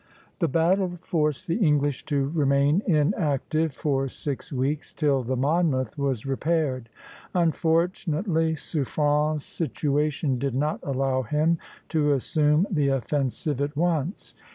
The battle forced the English to remain inactive for six weeks, till the "Monmouth" was repaired. Unfortunately, Suffren's situation did not allow him to assume the offensive at once.